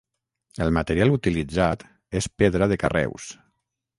El material utilitzat és pedra de carreus.